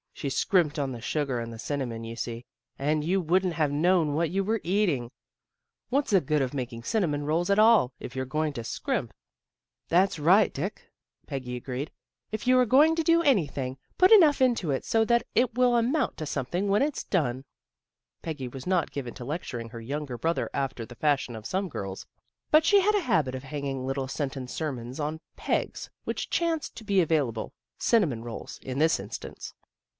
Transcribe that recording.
She scrimped on the sugar and the cinnamon, you see, and you wouldn't have known what you were eating. What's the good of making cinnamon rolls at all, if you're going to scrimp? " "That's right, Dick," Peggy agreed. "If you're going to do anything, put enough into it so that it will amount to something when it's done." Peggy was not given to lecturing her younger brother after the fashion of some girls, but she had a habit of hanging little sentence sermons on pegs which chanced to be available cinnamon rolls, in this instance.